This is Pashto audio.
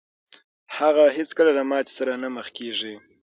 هغه هېڅکله له ماتې سره نه مخ کېږي.